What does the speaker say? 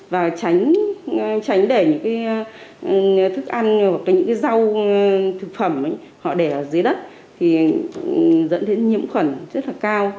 và tránh để những cái thức ăn hoặc là những cái rau thực phẩm họ để ở dưới đất thì dẫn đến nhiễm khuẩn rất là cao